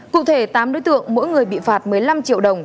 cụ thể tám đối tượng mỗi người bị phạt một mươi năm triệu đồng